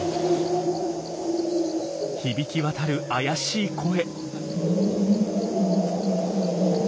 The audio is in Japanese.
響き渡る怪しい声。